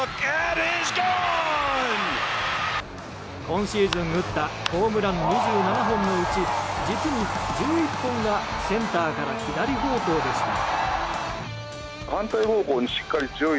今シーズン打ったホームラン２７本のうち実に１１本がセンターから左方向でした。